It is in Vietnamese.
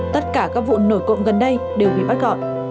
tất cả các vụ nổi cộng gần đây đều bị bắt gọn